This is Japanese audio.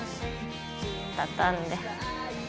畳んで。